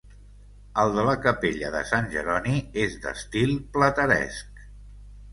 El de la capella de Sant Jeroni és d'estil plateresc.